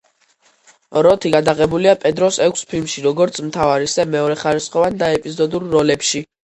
როთი გადაღებულია პედროს ექვს ფილმში, როგორც მთავარ, ისე მეორეხარისხოვან და ეპიზოდურ როლებში.